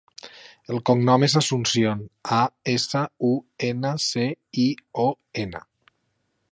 El cognom és Asuncion: a, essa, u, ena, ce, i, o, ena.